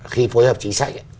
khi phối hợp chính sách